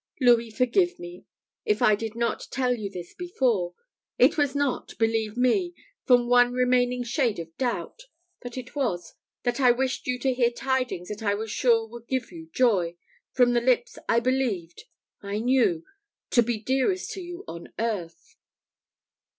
Louis, forgive me, if I did not tell you this before. It was not, believe me, from one remaining shade of doubt; but it was, that I wished you to hear tidings that I was sure would give you joy, from the lips I believed I knew to be dearest to you on earth."